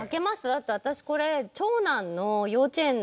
だって私これ。